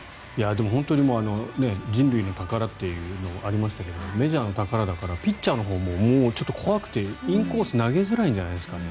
本当に人類の宝というのがありましたがメジャーの宝だからピッチャーのほうも、怖くてインコース投げづらいんじゃないですか？